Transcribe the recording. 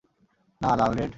না, লাল রেড!